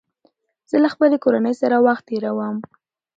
زه له خپلې کورنۍ سره وخت تېروم